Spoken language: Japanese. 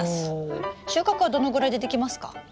収穫はどのぐらいでできますか？